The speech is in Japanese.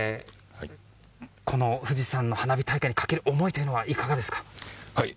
この富士山の花火大会にかける思いというのはいかがですか。